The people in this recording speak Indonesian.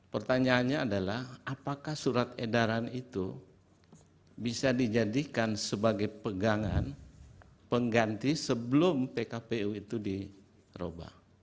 pertanyaannya adalah apakah surat edaran itu bisa dijadikan sebagai pegangan pengganti sebelum pkpu itu dirubah